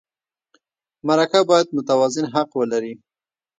مرکه باید متوازن حق ولري.